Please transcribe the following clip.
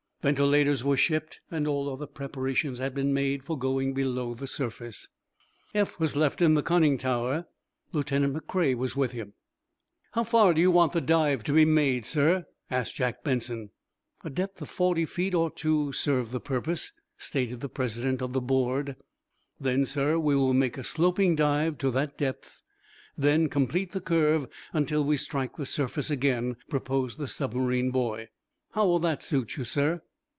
Ventilators were shipped, and all other preparations had been made for going below the surface. Eph was left in the conning tower, Lieutenant McCrea with him. "How far do you want the dive to be made, sir?" asked Jack Benson. "A depth of forty feet ought to serve the purpose," stated the president of the board. "Then, sir, we will make a sloping dive to that depth, then complete the curve until we strike the surface again," proposed the submarine boy. "How will that suit you, sir?"